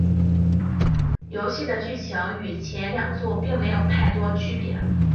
游戏的剧情与前两作并没有太多区别。